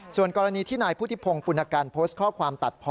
ส่วนกรณีที่นายพุทธิพงศ์ปุณกันโพสต์ข้อความตัดพอ